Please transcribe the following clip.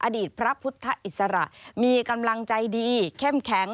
อดีตพระพุทธอิสระมีกำลังใจดีเข้มแข็ง